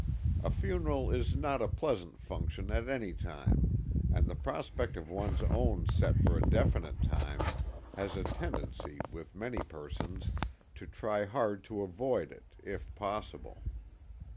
A funeral is not a pleasant function at any time, and the prospect of one's own set for a definite time, has a tendency with many persons to try hard to avoid it, if possible.